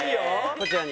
こちらに。